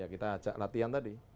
kita ajak latihan tadi